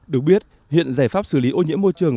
được biết hiện giải pháp xử lý ô nhiễm môi trường